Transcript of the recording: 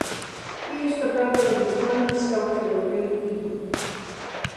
He is the brother of economist Doctor Lorraine Eden.